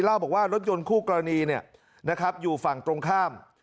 เล่าบอกว่ารถยนต์คู่กรณีอยู่ฝั่งตรงข้าม